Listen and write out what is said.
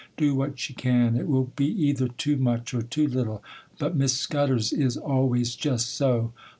Do what she can, it will be either too much or too little; but Miss Scudder's is always jest so.